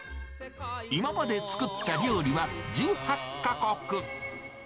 今まで作った料理は１８か国。